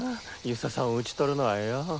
遊佐さんを討ち取るのはよぉ。